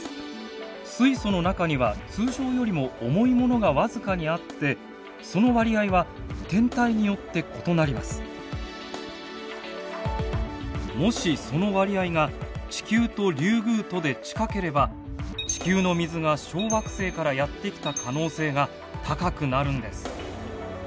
水素の中には通常よりも重いものが僅かにあってもしその割合が地球とリュウグウとで近ければ地球の水が小惑星からやって来た可能性が高くなるんです。